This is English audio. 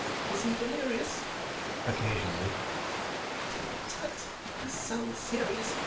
"Is he delirious?" "Occasionally." "Tut, tut! This sounds serious.